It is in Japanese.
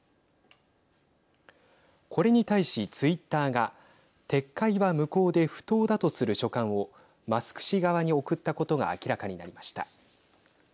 これに対しツイッターが撤回は無効で不当だとする書簡をマスク氏側に送ったことが明らかになりました。